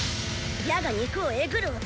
矢が肉をえぐる音